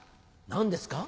何ですか？